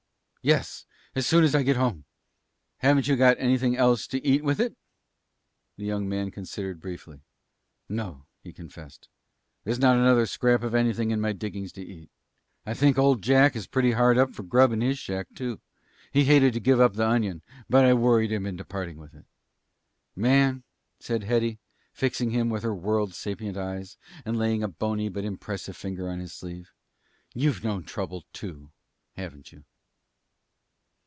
"Yes: as soon as I get home." "Haven't you got anything else to eat with it?" The young man considered briefly. "No," he confessed; "there's not another scrap of anything in my diggings to eat. I think old Jack is pretty hard up for grub in his shack, too. He hated to give up the onion, but I worried him into parting with it." "Man," said Hetty, fixing him with her world sapient eyes, and laying a bony but impressive finger on his sleeve, "you've known trouble, too, haven't you?"